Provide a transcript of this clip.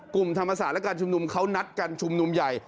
กลุ่มธรรมศาสตร์และการชุมนุมเขานัดกันชุมนุมใหญ่